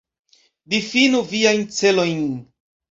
Difinu viajn celojn.